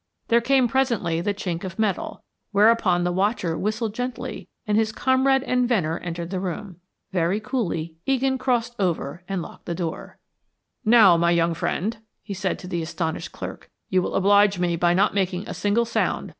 There came presently the chink of metal, whereupon the watcher whistled gently and his comrade and Venner entered the room. Very coolly Egan crossed over and locked the door. "Now, my young friend," he said to the astonished clerk, "you will oblige me by not making a single sound.